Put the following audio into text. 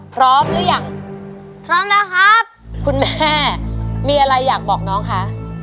พร้อมหรือยังพร้อมแล้วครับคุณแม่มีอะไรอยากบอกน้องคะ